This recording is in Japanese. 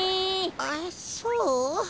あっそう？